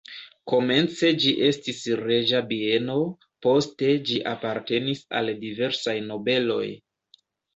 Komence ĝi estis reĝa bieno, poste ĝi apartenis al diversaj nobeloj.